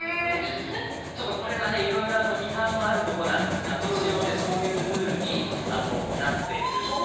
ちょっとこれは色々批判もあるところなんですが一応、そういうルールになっているんですよね。